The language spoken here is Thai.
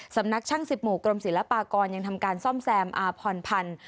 สำนักช่าง๑๐หมู่กรมศิลปากรยังทำการซ่อมแซมอาพรพันธ์